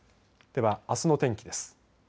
では、あすの天気です。